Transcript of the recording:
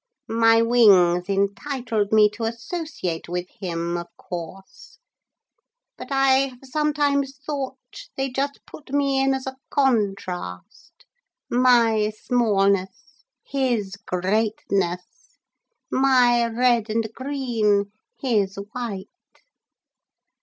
My wings entitled me to associate with him, of course, but I have sometimes thought they just put me in as a contrast. My smallness, his greatness; my red and green, his white.'